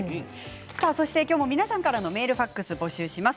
皆さんからのメールファックスも募集します。